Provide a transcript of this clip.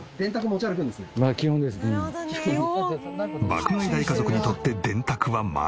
爆買い大家族にとって電卓はマスト。